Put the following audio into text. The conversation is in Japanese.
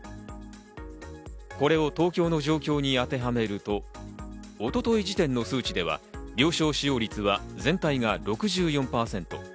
これを東京の状況に当てはめると、一昨日時点の数値では病床使用率は全体が６４％。